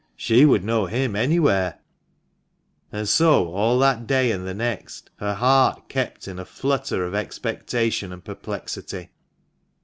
She would know him anywhere ! And so all that day, and the next, her heart kept in a flutter of expectation and perplexity.